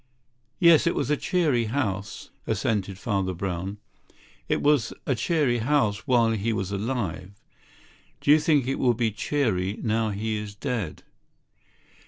"Yes, it was a cheery house," assented Father Brown. "It was a cheery house while he was alive. Do you think it will be cheery now he is dead?"